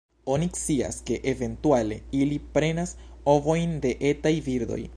Oni scias, ke eventuale ili prenas ovojn de etaj birdoj.